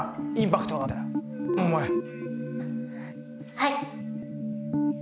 はい。